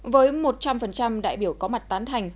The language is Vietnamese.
với một trăm linh đại biểu có mặt tán thành